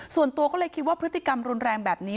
ส่วนตัวก็เลยคิดว่าพฤติกรรมรุนแรงแบบนี้